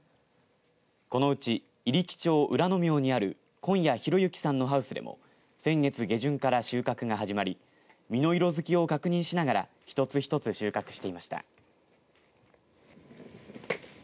このうち入来町浦之名にある紺屋裕之さんのハウスでも先月下旬から収穫が始まり実に色づきを確認しながら一つ一つ収穫していました。